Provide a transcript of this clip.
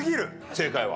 正解は？